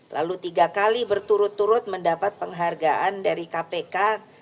lalu tiga kali berturut turut mendapat penghargaan dari kpk